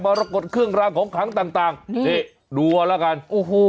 มารับกดเครื่องรางของขังต่างนี่ดูเอาละกันอู้ฮู้